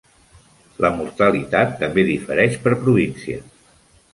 La mortalitat també difereix per província.